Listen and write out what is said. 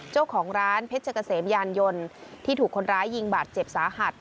เจ้าของร้านเพชรเกษมยานยนต์ที่ถูกคนร้ายยิงบาดเจ็บสาหัส